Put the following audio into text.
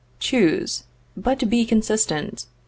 Choose, but be consistent.